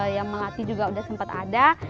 yang melatih juga udah sempet ada